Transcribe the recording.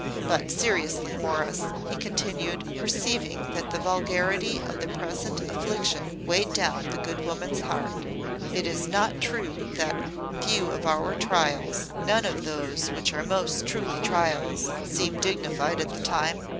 But seriously, Morris," he continued, perceiving that the vulgarity of the present affliction weighed down the good woman's heart; "is it not true that few of our trials none of those which are most truly trials seem dignified at the time?